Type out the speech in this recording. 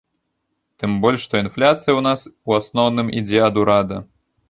Тым больш, што інфляцыя ў нас, у асноўным, ідзе ад урада.